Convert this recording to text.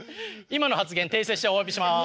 今の発言訂正しておわびします。